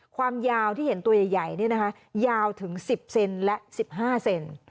ความยาวที่เห็นตัวใหญ่ยาวถึง๑๐เซนและ๑๕เซน